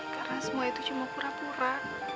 karena semua itu cuma pura pura